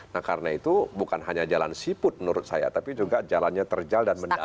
nah karena itu bukan hanya jalan siput menurut saya tapi juga jalannya terjal dan mendalam